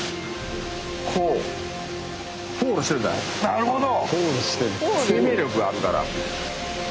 なるほど！